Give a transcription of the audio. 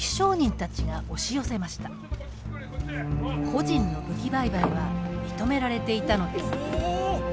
個人の武器売買は認められていたのです。